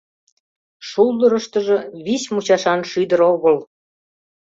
Шулдырыштыжо вич мучашан шӱдыр огыл.